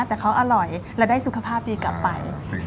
แต่เขาอร่อยและได้สุขภาพดีกลับไป